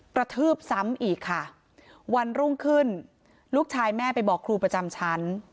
กระทืบซ้ำอีกค่ะวันรุ่งขึ้นลูกชายแม่ไปบอกครูประจำชั้น